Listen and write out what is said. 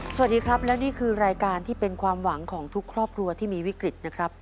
สวัสดีครับและนี่คือรายการที่เป็นความหวังของทุกครอบครัวที่มีวิกฤตนะครับ